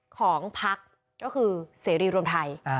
ของพักก็คือเสรีรวมไทย